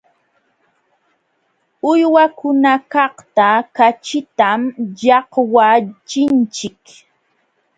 Uywakunakaqta kaćhitam llaqwachinchik.